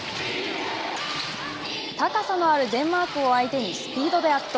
高さのあるデンマークを相手にスピードで圧倒。